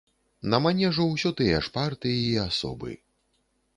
На манежу ўсё тыя ж партыі і асобы.